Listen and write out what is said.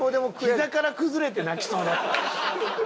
ひざから崩れて泣きそうになった。